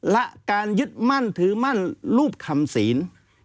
และการยึดมั่นถือมั่นรูปคำศีล